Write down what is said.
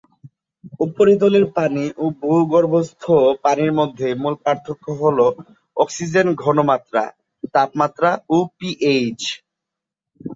উপরিতলের পানি ও ভূগর্ভস্থ পানির মধ্যে মূল পার্থক্য হলো অক্সিজেন ঘনমাত্রা, তাপমাত্রা ও পিএইচ।